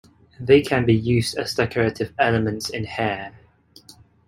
They can be used as decorative elements in hair.